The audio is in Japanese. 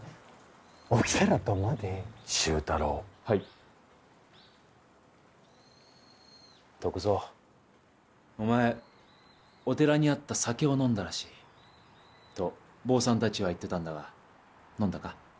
起きたら土間で周太郎はい篤蔵お前お寺にあった酒を飲んだらしいと坊さん達は言ってたんだが飲んだか？